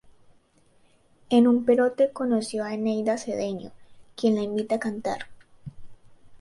En un perote conoció a Eneida Cedeño, quien la invita a cantar.